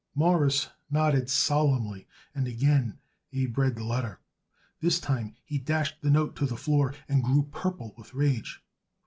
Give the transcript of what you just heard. Morris nodded solemnly and again Abe read the letter. This time he dashed the note to the floor and grew purple with rage.